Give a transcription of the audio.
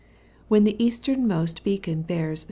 When the easternmost beacon bears S.